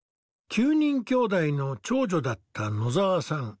９人きょうだいの長女だった野澤さん。